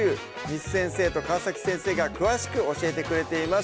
簾先生と川先生が詳しく教えてくれています